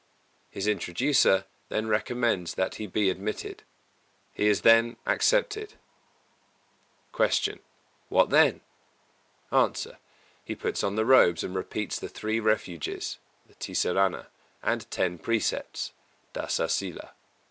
His introducer then recommends that he be admitted. He is then accepted. 266. Q. What then? A. He puts on the robes and repeats the Three Refuges {Tisarana) and Ten Precepts (Dasa Sīla.)